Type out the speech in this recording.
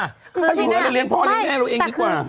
ถ้าอยู่แล้วเราเลี้ยพ่อเลี้ยแม่เราเองดีกว่า